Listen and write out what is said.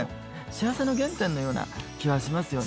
幸せの原点のような気はしますよね。